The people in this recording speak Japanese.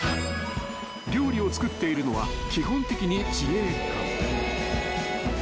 ［料理を作っているのは基本的に自衛官］